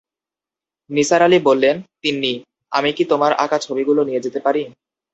নিসার আলি বললেন, তিন্নি, আমি কি তোমার আঁকা ছবিগুলি নিয়ে যেতে পারি?